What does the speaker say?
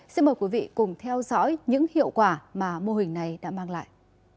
xin mời quý vị cùng theo dõi những hiệu quả mà mô hình này đã mang lại